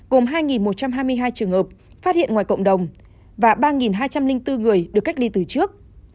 gồm hai một trăm hai mươi hai trường hợp phát hiện ngoài cộng đồng và ba hai trăm linh bốn người được cách ly từ trước